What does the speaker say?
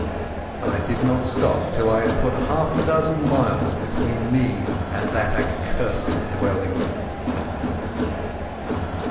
But I did not stop till I had put half a dozen miles between me and that accursed dwelling.